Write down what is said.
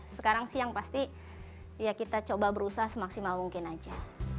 sekarang sih yang pasti ya kita coba berusaha semaksimal mungkin aja